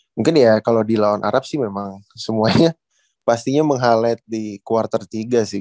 mungkin ya kalau di lawan arab sih memang semuanya pastinya meng highlight di kuartal tiga sih